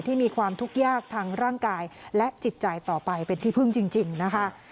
มีความทุกข์ยากทางร่างกายและจิตใจต่อไปเป็นที่พึ่งจริงนะคะ